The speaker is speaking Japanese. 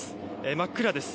真っ暗です。